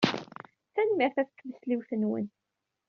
Tanemmirt ɣef tmesliwt-nwen.